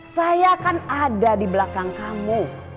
saya akan ada di belakang kamu